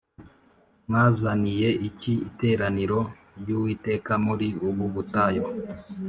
mwazaniye iki iteraniro ry’Uwiteka muri ubu butayu?